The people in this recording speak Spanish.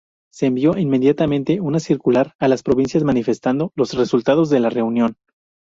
Se envío inmediatamente una circular a las provincias, manifestando los resultados de la reunión.